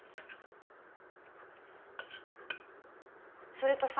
それとさ。